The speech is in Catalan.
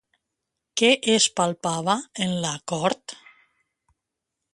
Què es palpava en la cort?